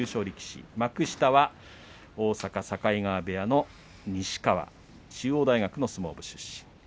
力士幕下は大阪境川部屋の西川中央大学の相撲部出身。